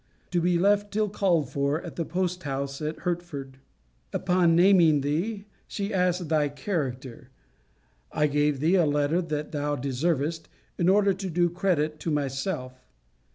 'To be left till called for, at the post house at Hertford.' Upon naming thee, she asked thy character. I gave thee a better than thou deservest, in order to do credit to myself.